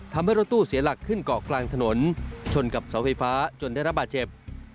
ทำให้รถตู้เสียหลักขึ้นเกาะกลางถนนชนกับเสาไฟฟ้าจนได้รับบาดเจ็บ